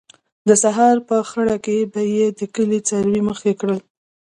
د سهار په خړه کې به یې د کلي څاروي مخکې کړل.